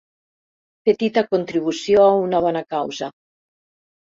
Petita contribució a una bona causa.